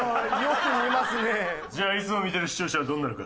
じゃあいつも見てる視聴者はどうなのか。